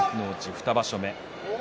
２場所目。